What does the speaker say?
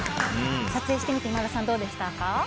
撮影してみて今田さん、どうでしたか？